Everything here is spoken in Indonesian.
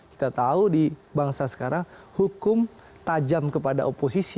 kita tahu di bangsa sekarang hukum tajam kepada oposisi